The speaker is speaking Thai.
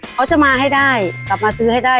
เขาจะมาให้ได้กลับมาซื้อให้ได้